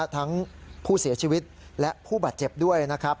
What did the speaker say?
ทั้งผู้เสียชีวิตและผู้บาดเจ็บด้วยนะครับ